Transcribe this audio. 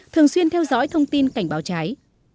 thường xuyên theo dõi thông tin cảnh báo cháy